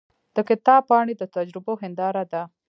د کتاب پاڼې د تجربو هنداره ده.